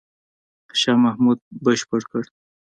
شاه محمود بشپړ کړ.